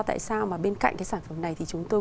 tại sao mà bên cạnh cái sản phẩm này thì chúng tôi